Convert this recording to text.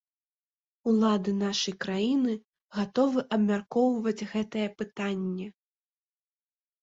Улады нашай краіны гатовы абмяркоўваць гэтае пытанне.